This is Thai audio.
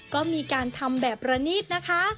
ก็มีการทำแบบระนิดนะคะ